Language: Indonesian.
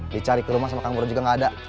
dicari ke rumah sama kang muro juga gak ada